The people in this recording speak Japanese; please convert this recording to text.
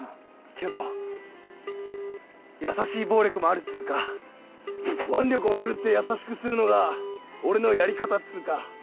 けど優しい暴力もあるっつうか腕力を振るって優しくするのが俺のやり方っつうか！